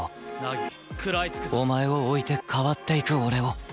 お前を置いて変わっていく俺を